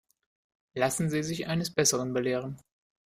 Lassen Sie sich eines Besseren belehren.